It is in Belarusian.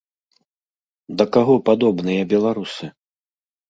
Да каго падобныя беларусы?